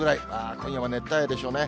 今夜も熱帯夜でしょうね。